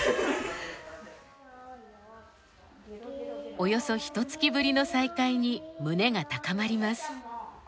およそひと月ぶりの再会に胸が高まります。